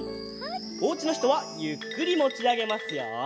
おうちのひとはゆっくりもちあげますよ。